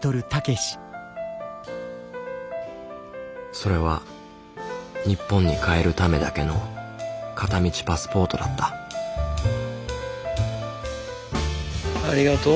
それは日本に帰るためだけの片道パスポートだったありがとう。